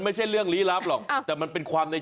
ไม่ได้